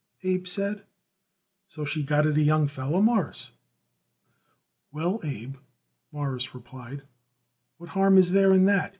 Abe said. "So she got it a young feller, Mawruss?" "Well, Abe," Morris replied, "what harm is there in that?